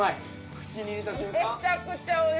口に入れた瞬間？